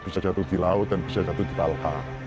bisa jatuh di laut dan bisa jatuh di palha